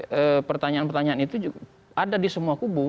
jadi pertanyaan pertanyaan itu ada di semua kubu